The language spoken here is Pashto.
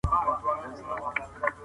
زه د مور مرسته کوم.